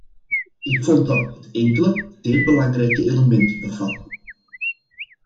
Ik vond dat het enkele zeer belangrijke elementen bevatte.